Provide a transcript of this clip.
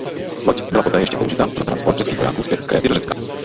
Loď byla poté ještě použita pro transport řeckých vojáků zpět z Kréty do Řecka.